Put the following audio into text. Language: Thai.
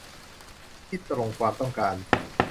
ที่ตรงความต้องการ